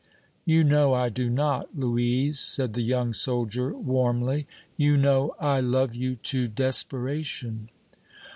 "You know I do not, Louise," said the young soldier, warmly. "You know I love you to desperation!"